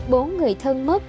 bốn người thân mất